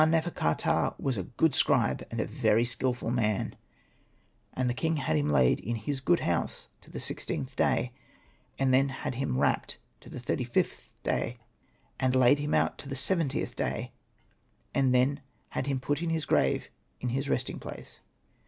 nefer.ka.ptah was a good scribe, and a very skilful man/ And the king had him laid in his Good House to the sixteenth day, and then had him wrapped to the thirty fifth day, and laid him out to the seventieth day, and then had him put in his grave in his resting place.